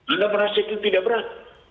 anda merasa itu tidak berat